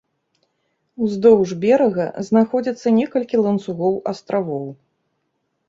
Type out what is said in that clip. Уздоўж берага знаходзяцца некалькі ланцугоў астравоў.